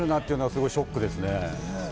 すごくショックですね。